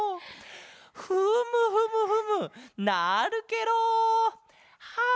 フムフムフムなるケロ！はあ